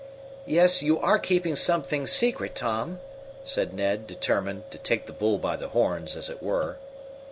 "Yes, you are keeping some things secret, Tom," said Ned, determined "to take the bull by the horns," as it were.